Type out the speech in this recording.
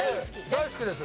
大好きです。